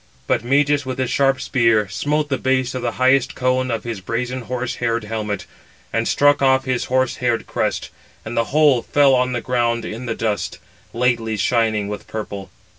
But Meges with his sharp spear smote the base of the highest cone of his brazen horse haired helmet, and struck off his horse haired crest; and the whole fell on the ground in the dust, lately shining with purple.